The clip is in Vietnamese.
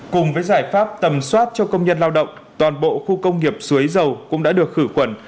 cùng với giải pháp tầm soát cho công nhân lao động toàn bộ khu công nghiệp suối dầu cũng đã được khử khuẩn